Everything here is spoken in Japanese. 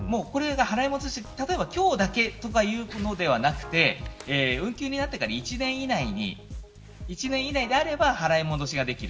例えば今日だけというのではなく運休になってから１年以内であれば払い戻しができる。